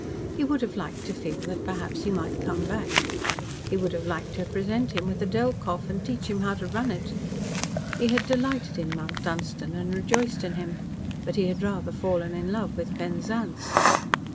He would have liked to feel that perhaps he might come back. He would have liked to present him with a Delkoff, and teach him how to run it. He had delighted in Mount Dunstan, and rejoiced in him, but he had rather fallen in love with Penzance.